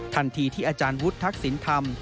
ทันทีที่อาจารย์วุฒิทักษิณธรรม